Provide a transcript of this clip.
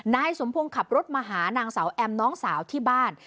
นายสมพงศ์ขับรถมาหานางสาวแอมน้องสาวที่บ้าน